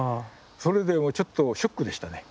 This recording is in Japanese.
それでもうちょっとショックでしたね。